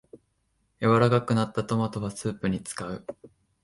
柔らかくなったトマトはスープに使う